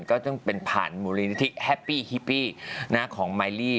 ก็ต้องเป็นผ่านมูลนิธิแฮปปี้ฮิปปี้ของมายลี่